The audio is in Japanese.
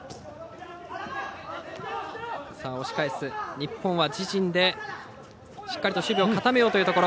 日本は自陣でしっかりと守備を固めようというところ。